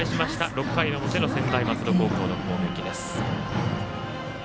６回表の専大松戸高校の攻撃です。